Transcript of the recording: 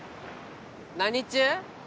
何中？